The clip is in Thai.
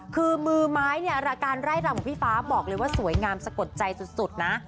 คือมือไม้เนี่ยระการไล่รำของพี่ฟ้าบอกเลยว่าสวยงามสะกดใจสุดนะ